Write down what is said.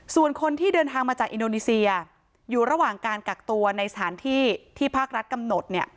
ส่วนคนที่เดินทางมาจากอินโดนีเซียอยู่ระหว่างการกักตัวในสถานที่ที่ภาครัฐกำหนด